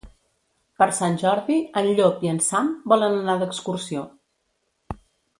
Per Sant Jordi en Llop i en Sam volen anar d'excursió.